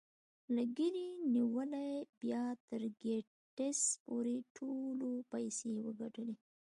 له ګيري نيولې بيا تر ګيټس پورې ټولو پيسې وګټلې.